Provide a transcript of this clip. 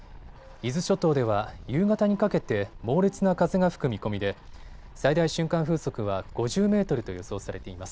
伊豆諸島では夕方にかけて猛烈な風が吹く見込みで最大瞬間風速は５０メートルと予想されています。